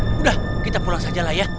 sudah kita pulang saja lah ya